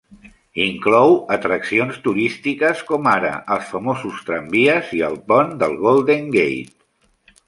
Inclou atraccions turístiques com ara els famosos tramvies i el pont del Golden Gate.